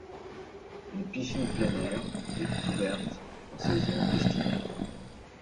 Une piscine plein air est ouverte en saison estivale.